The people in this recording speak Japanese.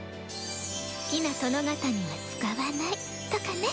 「好きな殿方には使わない」とかね。